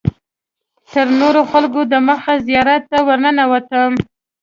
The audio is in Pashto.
تر نورو خلکو دمخه زیارت ته ورننوتم.